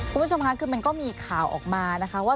คุณผู้ชมค่ะคือมันก็มีข่าวออกมานะคะว่า